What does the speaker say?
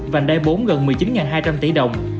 vành đai bốn gần một mươi chín hai trăm linh tỷ đồng